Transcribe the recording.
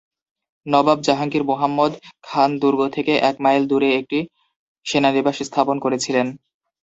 নবাব জাহাঙ্গীর মোহাম্মদ খান দুর্গ থেকে এক মাইল দূরে একটি সেনানিবাস স্থাপন করেছিলেন।